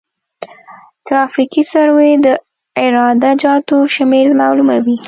ترافیکي سروې د عراده جاتو شمېر معلوموي